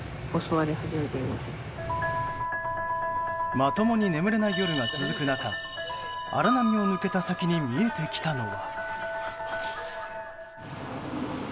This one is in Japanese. まともに眠れない夜が続く中荒波を抜けた先に見えてきたのは。